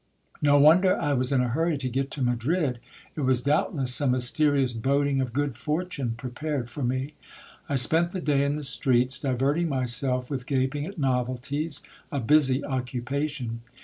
No wonder I was in a hurry to get to Madrid, it was doubtless some mysterious boding of good fortune prepared for me. I spent the day in the streets, diverting myself with gaping at novelties — a busy occupation.